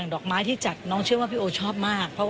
ดอกไม้ทรงนี้คือแกชอบเรียบง่าย